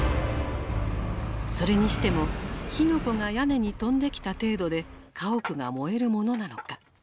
それにしても火の粉が屋根に飛んできた程度で家屋が燃えるものなのか。